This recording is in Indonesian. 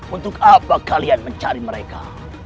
untuk apa kalian mencari mereka